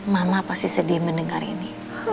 mama pasti sedih mendengar ini